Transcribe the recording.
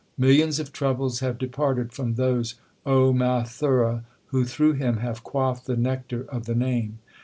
Millions of troubles have departed from those, O Mathura, who through him have quaffed the nectar of the Name.